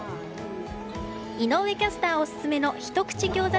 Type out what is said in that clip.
井上キャスターオススメの一口餃子